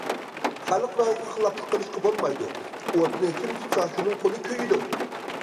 خەلق رايىغا خىلاپلىق قىلىشقا بولمايدۇ، ئوتنى كىم تۇتسا شۇنىڭ قولى كۆيىدۇ.